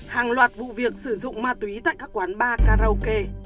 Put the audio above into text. hàng loạt vụ việc sử dụng ma túy tại các quán bar karaoke